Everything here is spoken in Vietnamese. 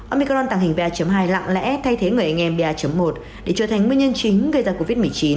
amicron tàng hình ba hai lặng lẽ thay thế người anh em ba một để trở thành nguyên nhân chính gây ra covid một mươi chín